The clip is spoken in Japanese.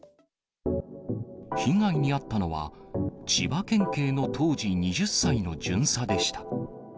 被害に遭ったのは、千葉県警の当時２０歳の巡査でした。